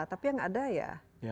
tapi yang ada ya